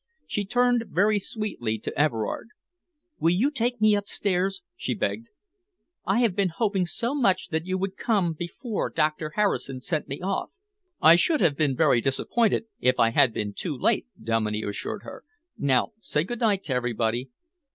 She turned very sweetly to Everard. "Will you take me upstairs?" she begged. "I have been hoping so much that you would come before Doctor Harrison sent me off." "I should have been very disappointed if I had been too late," Dominey assured her. "Now say good night to everybody."